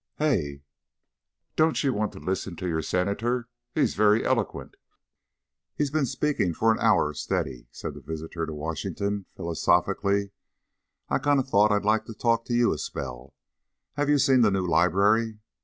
"Hey?" "Don't you want to listen to your Senator? He is very eloquent." "He's been speakin' fur an hour steady," said the visitor to Washington, philosophically. "I kinder thought I'd like to talk to you a spell. Hev you seen the new library?"